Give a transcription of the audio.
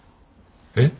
えっ？